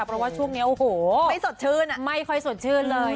เพราะว่าช่วงนี้ไม่สดชื่นเลย